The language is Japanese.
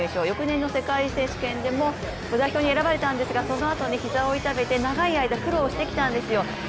翌年の世界選手権でも代表に選ばれたんですが、そのあと膝を痛めて長い間苦労してきたんですよ。